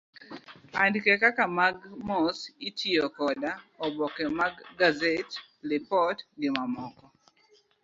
Andike kaka mag mos itiyo koda oboke mag gazet, lipot, gi mamoko.